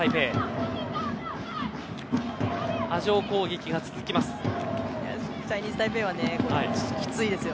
波状攻撃が続きます。